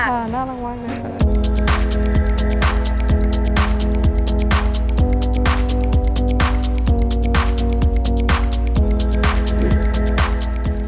ค่ะน่ารักมาก